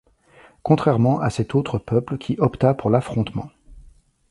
Contrairement à cet autre peuple qui opta pour l'affrontement.